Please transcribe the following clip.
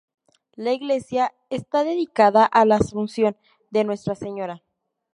La iglesia está dedicada a La Asunción de Nuestra Señora.